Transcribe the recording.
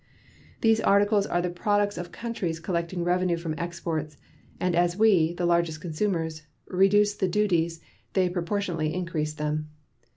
These articles are the products of countries collecting revenue from exports, and as we, the largest consumers, reduce the duties they proportionately increase them.